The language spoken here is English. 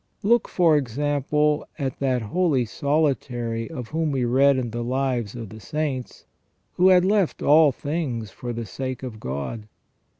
Look, for example, at that holy solitary of whom we read in the Lives of the Saints, who had left all things for the sake of God.